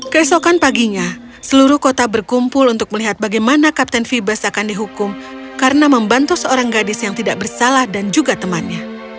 kesokan paginya seluruh kota berkumpul untuk melihat bagaimana kapten phoebus akan dihukum tiga puluh sembilan our fellow intelligence officer nevceloveiture julius karena membantu seorang gadis yang tidak bersalah dan juga temannya